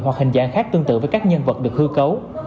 hoặc hình dạng khác tương tự với các nhân vật được hư cấu